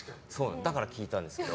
だから聞いたんですけど。